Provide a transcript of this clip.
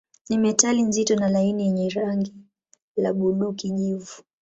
Ni metali nzito na laini yenye rangi ya buluu-kijivu.